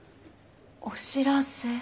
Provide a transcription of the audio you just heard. お知らせ？